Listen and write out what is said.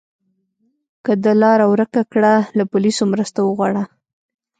که د لاره ورکه کړه، له پولیسو مرسته وغواړه.